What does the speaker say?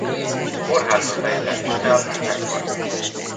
Kórházba szállítás után meghalt.